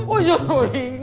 úi dồi ôi